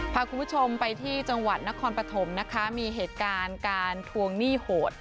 พาคุณผู้ชมไปที่จังหวัดนครปฐมนะคะมีเหตุการณ์การทวงหนี้โหด